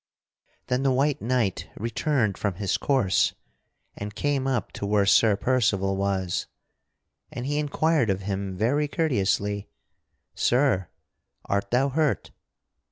Then the white knight returned from his course and came up to where Sir Percival was. And he inquired of him very courteously: "Sir, art thou hurt?"